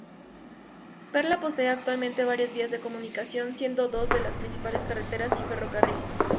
Parla posee actualmente varias vías de comunicación, siendo dos las principales carreteras y ferrocarril.